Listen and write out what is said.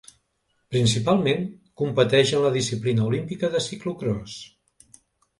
Principalment, competeix en la disciplina olímpica de ciclocròs.